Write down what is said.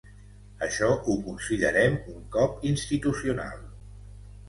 Això ho considerem un cop institucional.